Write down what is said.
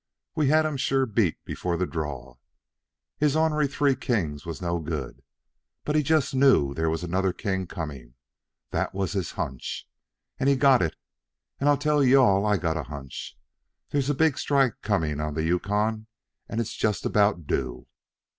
We had him sure beat before the draw. His ornery three kings was no good. But he just knew there was another king coming that was his hunch and he got it. And I tell you all I got a hunch. There's a big strike coming on the Yukon, and it's just about due.